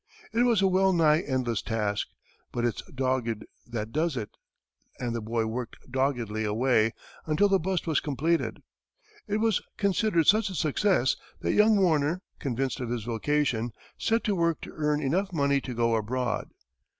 It was a well nigh endless task, but "it's dogged that does it," and the boy worked doggedly away until the bust was completed. It was considered such a success that young Warner, convinced of his vocation, set to work to earn enough money to go abroad.